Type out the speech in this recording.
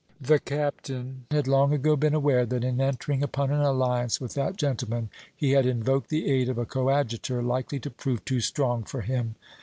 The Captain had long ago been aware that in entering upon an alliance with that gentleman, he had invoked the aid of a coadjutor likely to prove too strong for him.